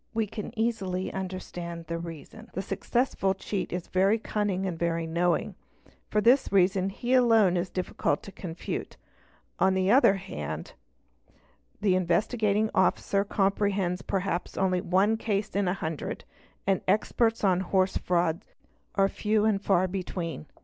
We can easily understand the reason. 'The successful cheat is very ~ eunning and very knowing; for this reason alone he is difficult to confute. On the other hand the Investigating Officer comprehends perhaps only one case in a hundred and experts on horse frauds are few and far between.